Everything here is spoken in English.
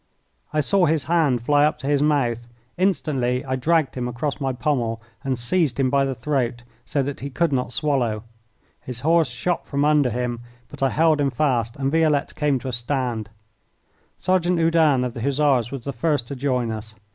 I saw his hand fly up to his mouth. Instantly I dragged him across my pommel and seized him by the throat, so that he could not swallow. His horse shot from under him, but I held him fast and Violette came to a stand. Sergeant Oudin of the Hussars was the first to join us.